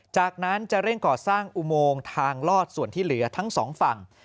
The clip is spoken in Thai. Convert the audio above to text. จากนั้นจะเร่งก่อสร้างอุโมงทางลอดส่วนที่เหลือทั้งสองฝั่ง